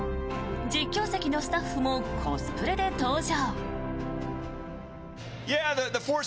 実況席のスタッフもコスプレで登場。